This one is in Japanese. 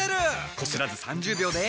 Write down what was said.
こすらず３０秒で。